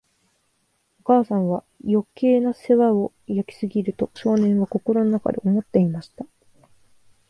お母さんは、余計な世話を焼きすぎる、と少年は心の中で思っていました。